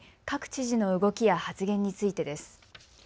各知事の動きや発言についてです。